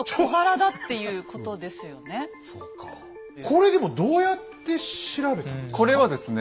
これでもどうやって調べたんですか？